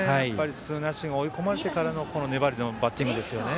ツーナッシング追い込まれてからの粘りのバッティングですね。